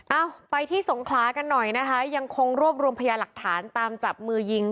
เอาไปที่สงขลากันหน่อยนะคะยังคงรวบรวมพยาหลักฐานตามจับมือยิง